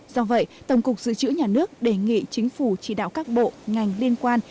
do vậy tổng cục dự trữ nhà nước đề nghị chính phủ chỉ đạo các bộ ngành liên quan